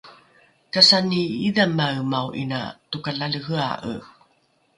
kasani idhamaemao ’ina tokalalehea’e